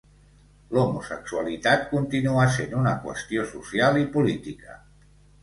L'homosexualitat continua sent una qüestió social i política.